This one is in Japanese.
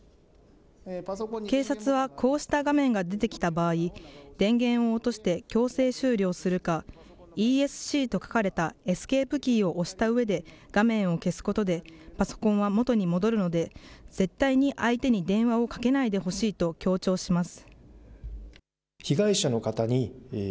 警察は、こうした画面が出てきた場合、電源を落として強制終了するか、Ｅｓｃと書かれたエスケープキーを押したうえで画面を消すことでパソコンは元に戻るので絶対に相手に電話をかけないでほしいと強調します。